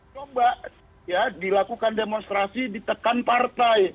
coba ya dilakukan demonstrasi ditekan partai